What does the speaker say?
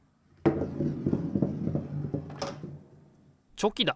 チョキだ！